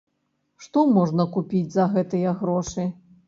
Што можна купіць за гэтыя грошы?